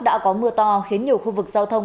đã có mưa to khiến nhiều khu vực giao thông